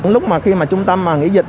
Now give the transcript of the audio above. lúc mà khi mà trung tâm nghỉ dịch